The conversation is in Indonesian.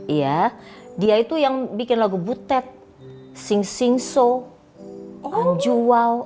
iya dia itu yang bikin lagu butet sing sing so jual